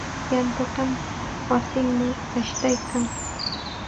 Yantatam wasinman ashtaykan.